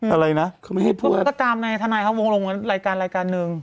อะไรนะเขาไม่ให้พูดก็ตามในทนายเขาวงลงรายการรายการหนึ่ง